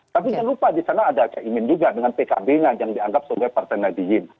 tapi jangan lupa di sana ada caimin juga dengan pkb nya yang dianggap sebagai partai nadiyin